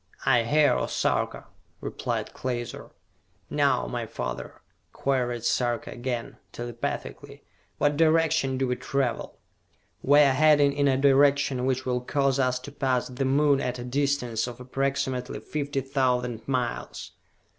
"I hear, O Sarka!" replied Klaser. "Now, my father," queried Sarka again, telepathically, "what direction do we travel?" "We are heading in a direction which will cause us to pass the Moon at a distance of approximately fifty thousand miles!"